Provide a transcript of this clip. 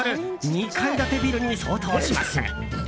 ２階建てビルに相当します。